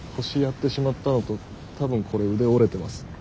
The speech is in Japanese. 腰やってしまったのと多分これ腕折れてます。